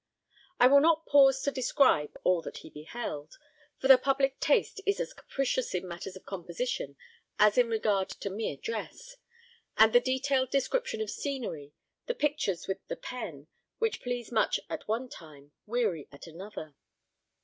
I will not pause to describe all that he beheld, for the public taste is as capricious in matters of composition as in regard to mere dress; and the detailed description of scenery, the pictures with the pen, which please much at one time, weary at another.